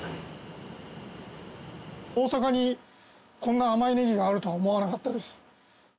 大阪にこんな甘いネギがあるとは思わなかったです。